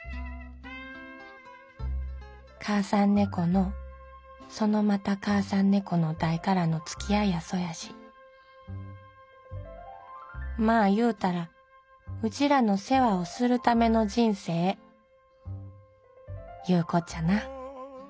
「母さん猫のそのまた母さん猫の代からの付き合いやそやしまあ言うたらうちらの世話をするための人生いうこっちゃな。